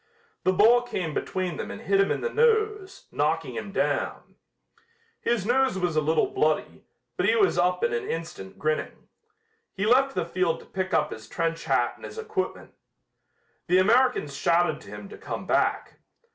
The ball came between them and hit him in the nose, knocking him down. His nose was a little bloody, but he was up in an instant grinning. He left the field to pick up his trench hat and his equipment. The Americans shouted to him to come back.